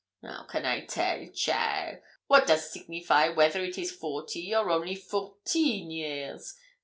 'How can I tell, cheaile? What does signify whether it is forty or only fourteen years?